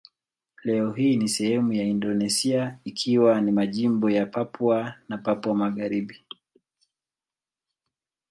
Leo hii ni sehemu ya Indonesia ikiwa ni majimbo ya Papua na Papua Magharibi.